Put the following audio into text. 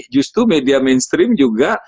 justru media mainstream juga